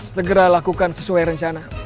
segera lakukan sesuai rencana